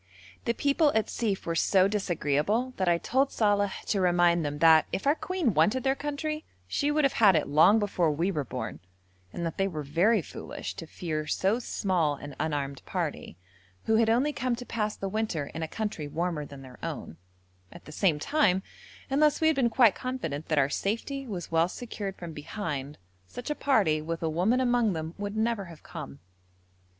The people at Sief were so disagreeable that I told Saleh to remind them that, if our Queen wanted their country, she would have had it long before we were born, and that they were very foolish to fear so small an unarmed party, who had only come to pass the winter in a country warmer than their own; at the same time, unless we had been quite confident that our safety was well secured from behind, such a party, with a woman among them, would never have come.